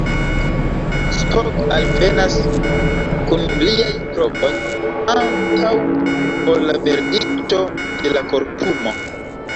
Spock alvenas kun liaj trovoj antaŭ ol la verdikto de la kortumo.